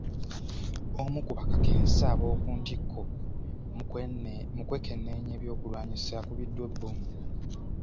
Omu ku bakakensa ab'oku ntikko mu kwekenneenya ebyokulwanyisa akubiddwa bbomu.